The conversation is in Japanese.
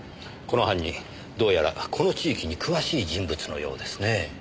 この犯人どうやらこの地域に詳しい人物のようですねえ。